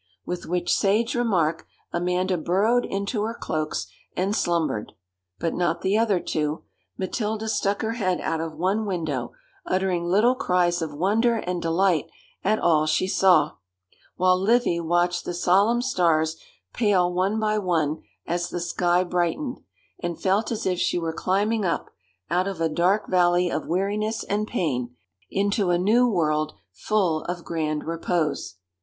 With which sage remark, Amanda burrowed into her cloaks and slumbered. But not the other two. Matilda stuck her head out of one window, uttering little cries of wonder and delight at all she saw; while Livy watched the solemn stars pale one by one as the sky brightened, and felt as if she were climbing up, out of a dark valley of weariness and pain, into a new world full of grand repose.